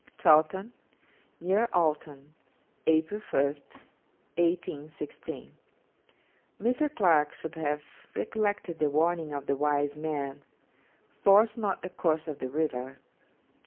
'Chawton, near Alton, April 1, 1816.' Mr. Clarke should have recollected the warning of the wise man, 'Force not the course of the river.'